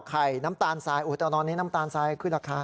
น้ำตาลทรายแต่ตอนนี้น้ำตาลทรายขึ้นราคา